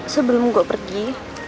sebelum gue pergi